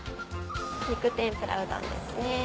肉天ぷらうどんですね。